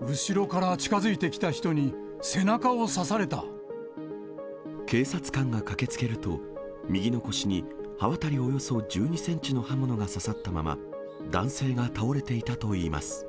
後ろから近づいてきた人に、警察官が駆けつけると、右の腰に刃渡りおよそ１２センチの刃物が刺さったまま、男性が倒れていたといいます。